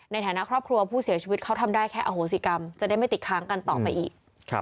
ในฐานะครอบครัวผู้เสียชีวิตเขาทำได้แค่อโหสิกรรมจะได้ไม่ติดค้างกันต่อไปอีก